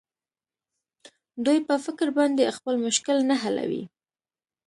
دوى په فکر باندې خپل مشکل نه حلوي.